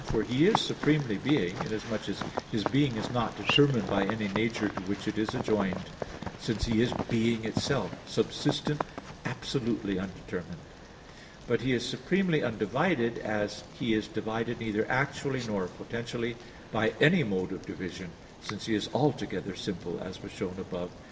For He is supremely being, inasmuch as His being is not determined by any nature to which it is adjoined; since He is being itself, subsistent, absolutely undetermined. But He is supremely undivided inasmuch as He is divided neither actually nor potentially, by any mode of division; since He is altogether simple, as was shown above (Q.